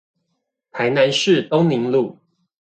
台南市東寧路